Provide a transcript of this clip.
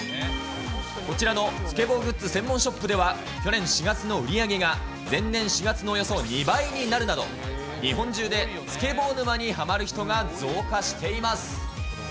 こちらのスケボーグッズ専門ショップでは、去年４月の売り上げが前年４月のおよそ２倍になるなど、日本中でスケボー沼にハマる人が増加しています。